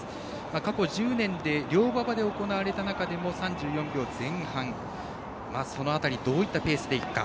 過去１０年で良馬場で行われた中でも３４秒前半、その辺りどういったペースでいくか。